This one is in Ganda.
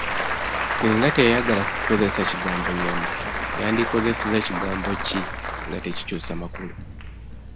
Singa teyayagala kukozesa kigambo nnyama, yandikozesezza kigambo ki nga tekikyusa makulu?